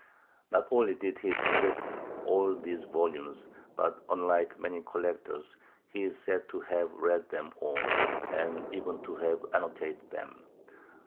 Not only did he possess all these volumes, but, unlike many collectors, he is said to have read them all, and even to have annotated them.